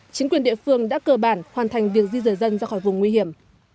chính quyền địa phương đã cơ bản hoàn thành việc di rời dân ra khỏi vùng nguy hiểm